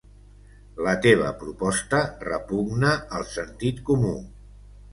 La teva proposta repugna al sentit comú.